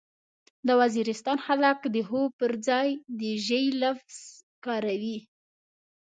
د وزيرستان خلک د هو پرځای د ژې لفظ کاروي.